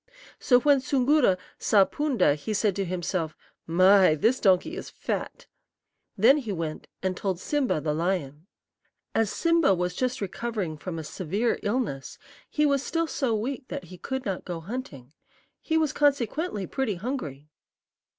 "So when Soongoora saw Poonda he said to himself, 'My, this donkey is fat!' Then he went and told Sim'ba, the lion. "As Simba was just recovering from a severe illness, he was still so weak that he could not go hunting. He was consequently pretty hungry.